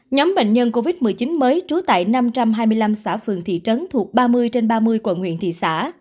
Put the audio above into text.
nhóm bệnh nhân covid một mươi chín mới trú tại năm trăm hai mươi năm xã phường thị trấn thuộc ba mươi trên ba mươi quận huyện thị xã